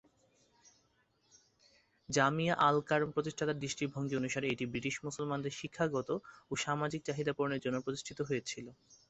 জামিয়া আল-কারম প্রতিষ্ঠাতার দৃষ্টিভঙ্গি অনুসারে এটি ব্রিটিশ মুসলমানদের শিক্ষাগত ও সামাজিক সামাজিক চাহিদা পূরণের জন্য প্রতিষ্ঠিত হয়েছিল।